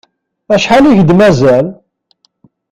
Acḥal i k-d-mazal?